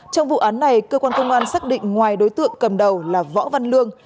trong vụ án này cơ quan công an xác định ngoài đối tượng cầm đầu là võ văn lương